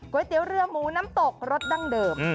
เตี๋ยวเรือหมูน้ำตกรสดั้งเดิม